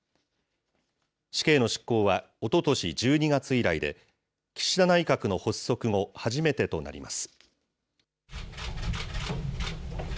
死刑の執行は、おととし１２月以来で、岸田内閣の発足後、初めてとなります。